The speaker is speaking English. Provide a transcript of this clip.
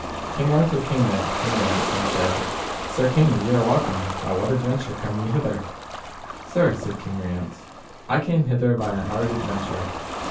King Arthur came then to King Rience, and said, Sir king, ye are welcome: by what adventure come ye hither? Sir, said King Rience, I came hither by an hard adventure.